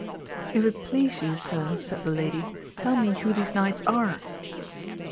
If it please you, sir, said the lady, tell me who these knights are?